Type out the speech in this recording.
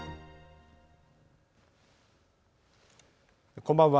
こんばんは。